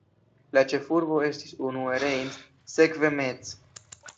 La ĉefurbo estis unue Reims, sekve Metz.